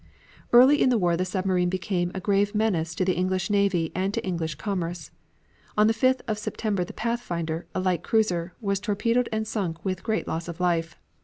Early in the war the submarine became a grave menace to the English navy and to English commerce. On the 5th of September the Pathfinder, a light cruiser, was torpedoed and sunk with great loss of life.